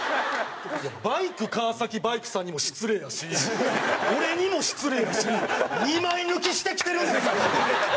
バイク川崎バイクさんにも失礼やし俺にも失礼やし二枚抜きしてきてるんですよ！